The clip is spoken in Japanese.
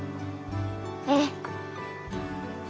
ええ。